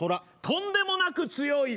とんでもなく強い。